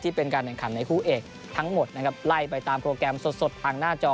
เป็นการแข่งขันในคู่เอกทั้งหมดนะครับไล่ไปตามโปรแกรมสดทางหน้าจอ